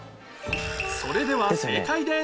それでは正解です